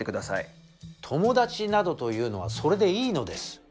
友達などというのはそれでいいのです。